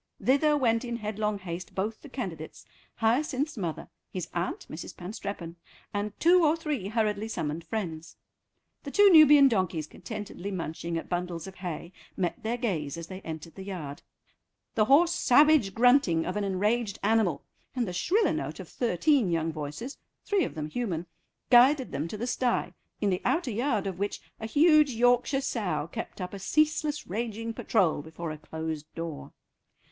Thither went in headlong haste both the candidates, Hyacinth's mother, his aunt (Mrs. Panstreppon), and two or three hurriedly summoned friends. The two Nubian donkeys, contentedly munching at bundles of hay, met their gaze as they entered the yard. The hoarse savage grunting of an enraged animal and the shriller note of thirteen young voices, three of them human, guided them to the stye, in the outer yard of which a huge Yorkshire sow kept up a ceaseless raging patrol before a closed door.